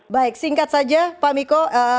baik singkat saja pak miko